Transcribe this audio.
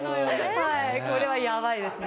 はいこれはやばいですね。